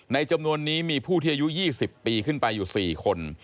จำนวนนี้มีผู้ที่อายุ๒๐ปีขึ้นไปอยู่๔คน